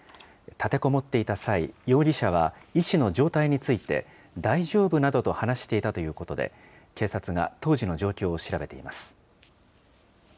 立てこもっていた際、容疑者は医師の状態について、大丈夫などと話していたということで、警察が当時の状況を調べています。